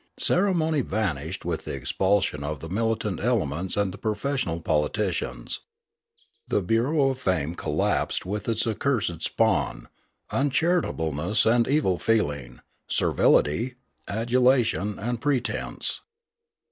Ceremony vanished with the expulsion of the militant elements and the professional politicians. The bureau of fame collapsed with its accursed spawn, un charitableness and evil feeling, servility, adulation, and pretence.